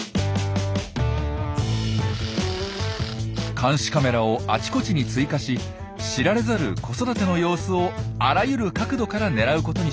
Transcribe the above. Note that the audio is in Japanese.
監視カメラをあちこちに追加し知られざる子育ての様子をあらゆる角度から狙うことにしました。